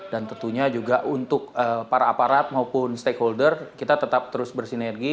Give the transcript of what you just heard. dan tentunya juga untuk para aparat maupun stakeholder kita tetap terus bersinergi